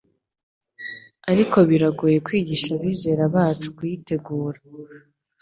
Ariko biragoye kwigisha abizera bacu kuyitegura